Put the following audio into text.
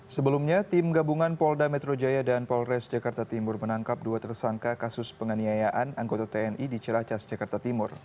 sebelumnya tim gabungan polda metro jaya dan polres jakarta timur menangkap dua tersangka kasus penganiayaan anggota tni di ciracas jakarta timur